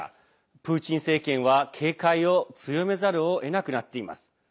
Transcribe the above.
プーチン政権は警戒を強めざるをえなくなっています。